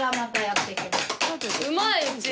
うまいうち。